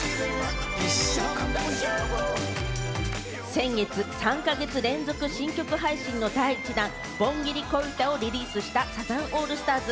先月、３か月連続新曲配信の第１弾、『盆ギリ恋歌』をリリースしたサザンオールスターズ。